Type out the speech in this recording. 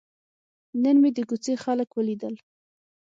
نن مې د کوڅې خلک ولیدل.